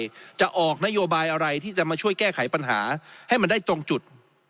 จะออกนโยบายอะไรที่จะมาช่วยแก้ไขปัญหาให้มันได้ตรงจุด